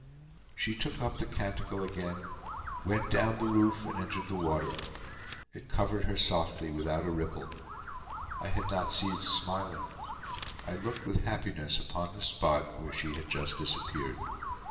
She took up the canticle again, went down the roof, and entered the water. It covered her softly, without a ripple. I had not ceased smiling. I looked with happiness upon the spot where she had just disappeared.